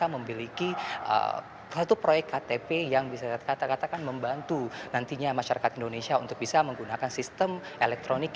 dan juga bisa memiliki suatu proyek ktp yang bisa dikatakan membantu nantinya masyarakat indonesia untuk bisa menggunakan sistem elektronik